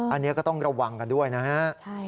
อันนี้ก็ต้องระวังกันด้วยนะฮะ